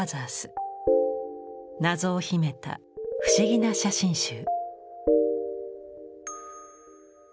謎を秘めた不思議な写真集。